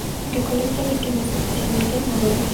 Recolecta líquenes especialmente en Noruega.